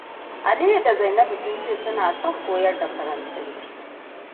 Aliyu da Zainabtu sun ce suna son koyar da faransanci.